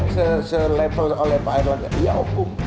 se level oleh pak erlangga ya opung